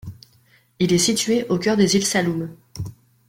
Il est situé au cœur de îles Saloum.